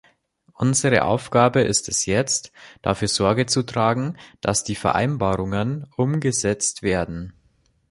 Unsere Aufgabe ist es jetzt, dafür Sorge zu tragen, dass die Vereinbarungen umgesetzt werden.